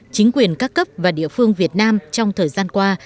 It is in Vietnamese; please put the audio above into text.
chính quyền các cấp và địa phương việt nam trong thời gian qua